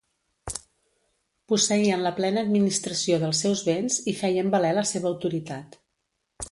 Posseïen la plena administració dels seus béns i feien valer la seva autoritat.